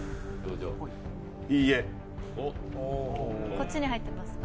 こっちに入ってますか？